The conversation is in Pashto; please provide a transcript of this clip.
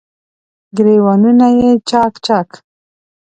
ګریوانونه یې چا ک، چا ک